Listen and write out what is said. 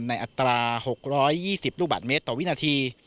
อัตรา๖๒๐ลูกบาทเมตรต่อวินาที